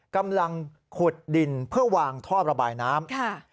กำลังขุดดินเพื่อวางท่อระบายน้ำ